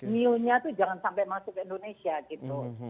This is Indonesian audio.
mu nya itu jangan sampai masuk ke indonesia gitu